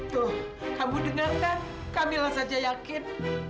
tuh kamu dengarkan kamilah saja yakin